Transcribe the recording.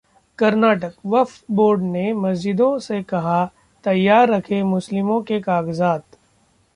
कर्नाटक: वक्फ बोर्ड ने मस्जिदों से कहा- तैयार रखें मुस्लिमों के कागजात